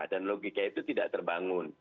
dan logika itu tidak terbangun